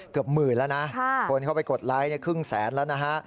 เกือบหมื่นแล้วนะคนเข้าไปกดไลค์ครึ่งแสนแล้วนะฮะ